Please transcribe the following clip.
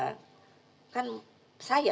kan sangat berguna ya